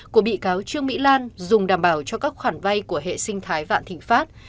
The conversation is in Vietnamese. của bị cáo trương mỹ lan dùng đảm bảo cho các khoản vay của hệ sinh thái vạn thịnh pháp